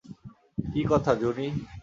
কি কথা জুনি?